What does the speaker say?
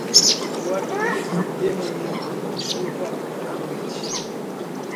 O arco-íris de manhã, chuva à noite.